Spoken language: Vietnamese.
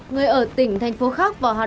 người ở tỉnh thành phố khác và hà nội